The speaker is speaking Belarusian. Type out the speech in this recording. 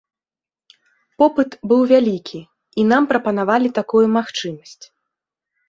Попыт быў вялікі, і нам прапанавалі такую магчымасць.